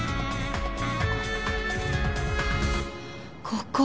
ここ。